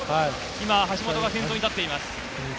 橋本が先頭に立っています。